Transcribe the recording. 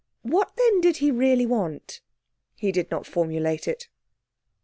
What, then, did he really want? He did not formulate it.